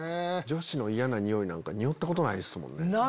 女子の嫌なニオイなんかニオったことないですもんね。